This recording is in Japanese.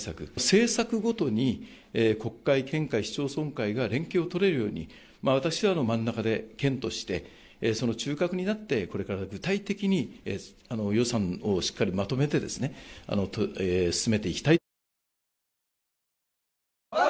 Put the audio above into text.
政策ごとに国会、県会、市町村会が連携を取れるように私は真ん中で県としてその中核になってこれから具体的に予算をしっかりまとめて進めていきたいと。